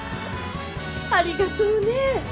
ありがとうね。